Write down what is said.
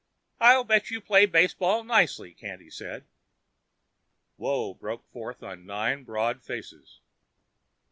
"I'll bet you play baseball nicely," Candy said. Woe broke forth on nine broad faces.